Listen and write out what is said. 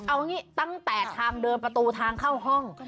เอางี้ตั้งแต่ทางเดินประตูทางเข้าห้อง